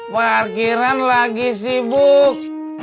parkiran lagi sibuk